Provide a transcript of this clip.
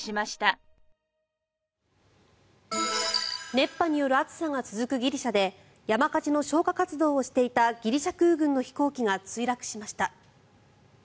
熱波による暑さが続くギリシャで山火事の消火活動をしていたギリシャ空軍の飛行機が墜落しました。